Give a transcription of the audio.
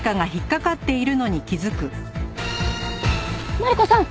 マリコさん！